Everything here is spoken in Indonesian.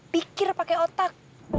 pikir pake otak